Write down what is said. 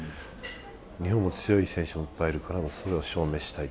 日本も強い選手いっぱいいるからそれを証明したい。